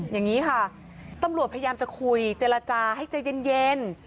อย่างนี้ค่ะตำรวจพยายามจะคุยเจรจาให้ใจเย็น